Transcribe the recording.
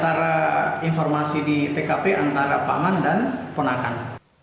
antara informasi di tkp antara paman dan ponakan